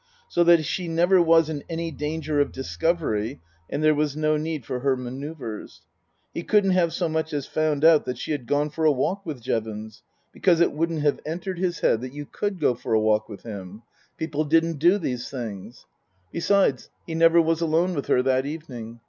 So that she never was in any danger of discovery, and there was no need for her manoeuvres. He couldn't have so much as found out that she had gone for a walk with Jevons, because it wouldn't have entered his head that Book I : My Book 47 you could go for a walk with him. People didn't do these things. Besides, he never was alone with her that evening.